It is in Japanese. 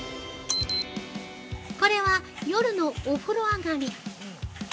これは夜のお風呂上がり。